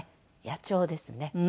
野鳥ですね。